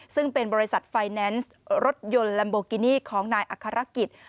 ซึ่งเป็นบริษัทไฟแนนซ์รถยนต์ลัมโบกินี่ของนายอัครกิจ